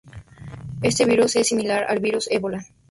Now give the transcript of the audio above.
Este virus es similar al virus Ébola.